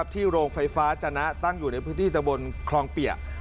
โรงไฟฟ้าจนะตั้งอยู่ในพื้นที่ตะบนคลองเปียก